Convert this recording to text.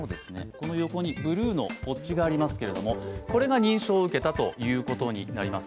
この横にブルーのポッチがありますけれども、これが認証を受けたということになります。